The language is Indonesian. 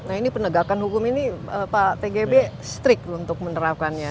nah ini penegakan hukum ini pak tgb strict untuk menerapkannya